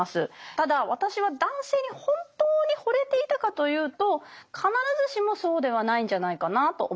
ただ私は男性に本当にほれていたかというと必ずしもそうではないんじゃないかなと思っています。